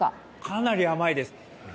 かなり甘いです。